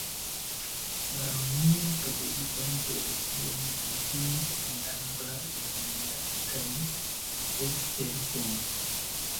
La romian katolikan teologion li finis en Alba Iulia kaj Esztergom.